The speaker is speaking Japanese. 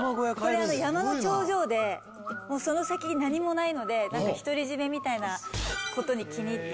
これ山の頂上でもうその先に何もないのでひとり占めみたいなことに気に入って。